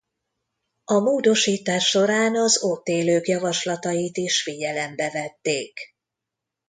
A módosítás során az ott élők javaslatait is figyelembe vették.